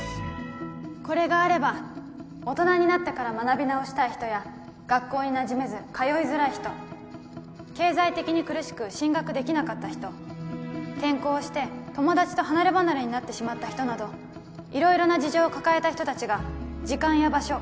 これがあれば大人になってから学び直したい人や学校になじめず通いづらい人経済的に苦しく進学できなかった人転校をして友達と離れ離れになってしまった人など色々な事情を抱えた人達が時間や場所